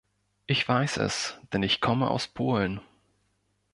Ich weiß es, denn ich komme aus Polen.